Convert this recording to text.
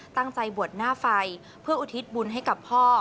ตั้งใจบวชหน้าไฟเพื่ออุทิศบุญให้กับพ่อ